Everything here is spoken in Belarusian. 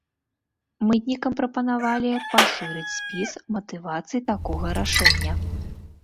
Мытнікам прапанавалі пашырыць спіс матывацый такога рашэння.